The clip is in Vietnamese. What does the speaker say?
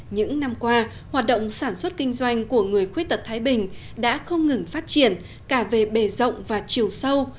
những năm qua hoạt động sản xuất kinh doanh của người khuyết tật thái bình đã không ngừng phát triển cả về bề rộng và chiều sâu